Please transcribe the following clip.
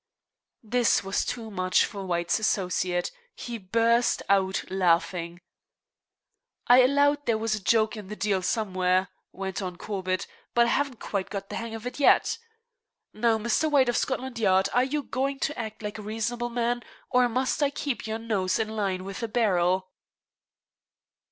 This was too much for White's associate. He burst out laughing. "I allowed there was a joke in the deal, somewhere," went on Corbett, "but I haven't quite got the hang of it yet. Now, Mr. White of Scotland Yard, are you going to act like a reasonable man, or must I keep your nose in line with the barrel?"